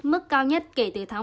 mức cao nhất kể từ tháng một